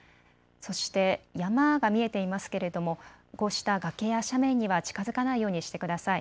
そして山が見えていますけれどもこうした崖や斜面には近づかないようにしてください。